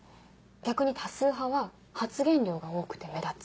逆に多数派は発言量が多くて目立つ。